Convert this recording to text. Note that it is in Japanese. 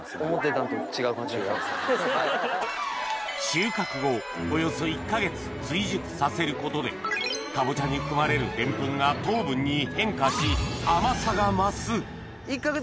収穫後およそ１か月追熟させることでかぼちゃに含まれるデンプンが糖分に変化し甘さが増すへ。